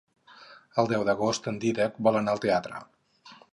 El deu d'agost en Dídac vol anar al teatre.